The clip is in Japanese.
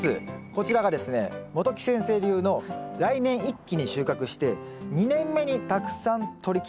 こちらがですね元木先生流の来年一気に収穫して２年目にたくさんとりきると。